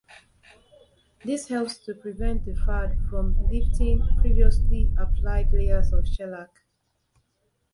This helps to prevent the 'fad' from lifting previously applied layers of shellac.